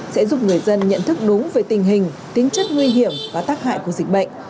sẽ giúp người dân nhận thức đúng về tình hình tính chất nguy hiểm và tác hại của dịch bệnh